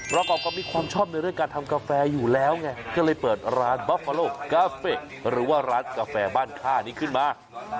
ประกอบกับมีความชอบในเรื่องการทำกาแฟอยู่แล้วไงก็เลยเปิดร้านบัฟฟาโลกาเฟะหรือว่าร้านกาแฟบ้านค่านี้ขึ้นมา